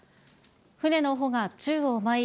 船の帆が宙を舞い、